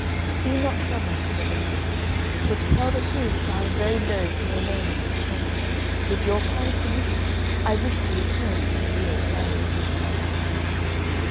"Be not troubled," said the lady, "for, to tell the truth, I am very loth to remain in this country; with your kind permission I wish to return to my dear Flanders."